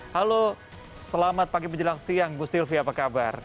halo selamat pagi menjelang siang ibu silvi apa kabar